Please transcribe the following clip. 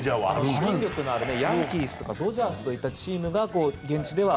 資金力のあるヤンキースとかドジャースといったチームが現地では。